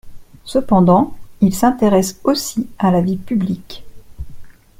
Cependant, il s'intéresse aussi à la vie publique.